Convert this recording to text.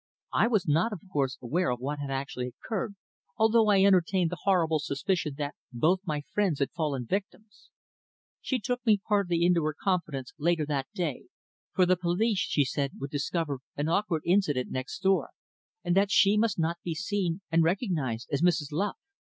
I was not, of course, aware of what had actually occurred, although I entertained the horrible suspicion that both my friends had fallen victims. She took me partly into her confidence later that day, for the police, she said, would discover an `awkward accident' next door, and that she must not be seen and recognised as Mrs. Luff.